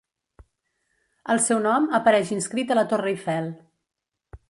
El seu nom apareix inscrit a la Torre Eiffel.